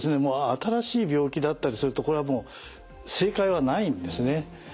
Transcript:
新しい病気だったりするとこれはもう正解はないんですね。